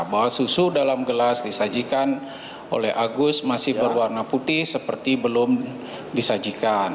bahwa susu dalam gelas disajikan oleh agus masih berwarna putih seperti belum disajikan